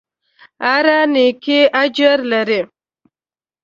هره نېکۍ اجر لري.